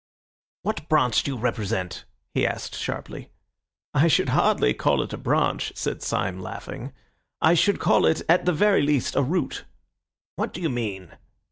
"What branch do you represent?" he asked sharply. "I should hardly call it a branch," said Syme, laughing; "I should call it at the very least a root." "What do you mean?"